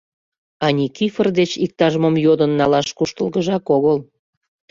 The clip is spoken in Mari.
А Никифор деч иктаж-мом йодын налаш куштылгыжак огыл.